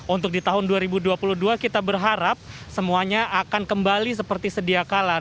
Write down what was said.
untuk di tahun dua ribu dua puluh dua kita berharap semuanya akan kembali seperti sedia kalan